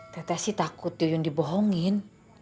tete sih takut yuyun dibohongin